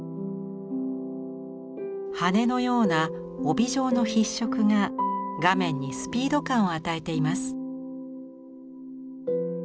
羽根のような帯状の筆触が画面にスピード感を与えています。